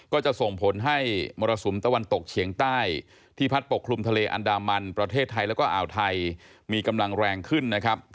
ก็จะส่งผลให้มรสุมตะวันตกเฉียงใต้ที่พัดปกคลุมทะเลอันดามันประเทศไทยแล้วก็อ่าวไทยมีกำลังแรงขึ้นนะครับ